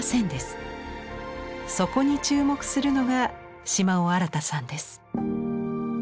そこに注目するのが島尾新さんです。